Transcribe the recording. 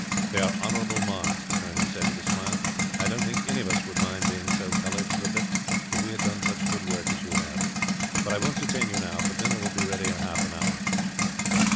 "They are honourable marks," the general said, with a smile. "I don't think any of us would mind being so coloured, for a bit, if we had done such good work as you have; but I won't detain you now, for dinner will be ready in half an hour."